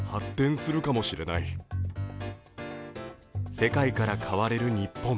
世界から買われる日本。